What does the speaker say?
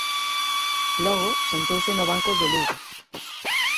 Logo sentouse no banco do Lugo.